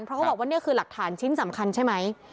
เพราะเขาบอกว่านี่คือหลักฐานชิ้นสำคัญใช่ไหม